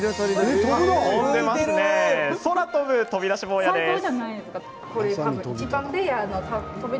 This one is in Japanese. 空飛ぶ飛び出し坊やです。